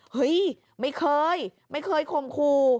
เฮ้ยไม่เคยไม่เคยข่มขู่